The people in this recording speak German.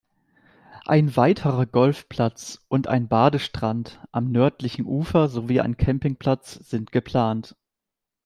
Ein weiterer Golfplatz und ein Badestrand am nördlichen Ufer sowie ein Campingplatz sind geplant.